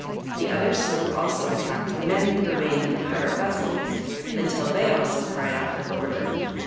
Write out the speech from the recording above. The other sloop also attacked the men who remained in the pirate vessels, until they also cried out for quarter.